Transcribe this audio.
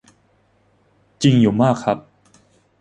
จริงอยู่มากครับ.